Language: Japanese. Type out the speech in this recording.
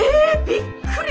びっくり！